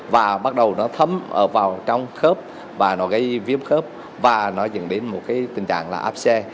và bắt đầu nó thấm vào trong khớp và nó gây viêm khớp và nó dẫn đến tình trạng áp xe